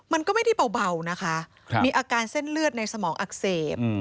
มันก็ไม่ได้เบานะคะมีอาการเส้นเลือดในสมองอักเสบ